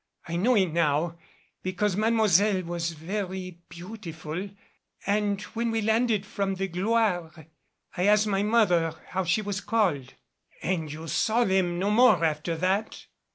I know it now, because Mademoiselle was very beautiful, and when we landed from the Gloire I asked my mother how she was called." "And you saw them no more after that?"